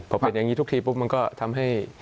พอเป็นอย่างนี้ทุกทีปุ๊บมันก็ทำให้